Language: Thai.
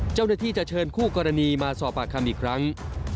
เจ้าหน้าที่จะเชิญคู่กรณีมาสอบปากคำอีกครั้ง